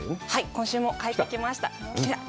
今週も描いてきました。